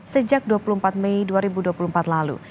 sejak dua puluh empat mei dua ribu dua puluh empat lalu